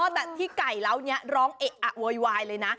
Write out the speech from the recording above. อ๋อแต่ที่ไก่ล้าวนี้ร้องเอ๊ยเลยนะ